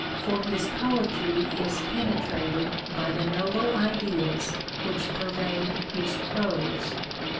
For his poetry is penetrated by the noble ideas which pervade his prose.